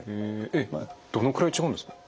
えっどのくらい違うんですか？